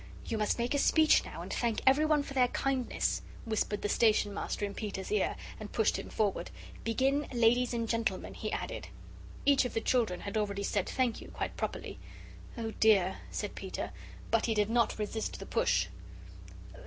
"You must make a speech now and thank everyone for their kindness," whispered the Station Master in Peter's ear and pushed him forward. "Begin 'Ladies and Gentlemen,'" he added. Each of the children had already said "Thank you," quite properly. "Oh, dear," said Peter, but he did not resist the push.